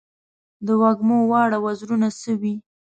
د وږمو واړه وزرونه سوی